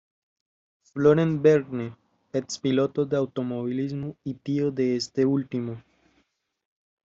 Florent Vergne, expiloto de automovilismo, y tío de este último.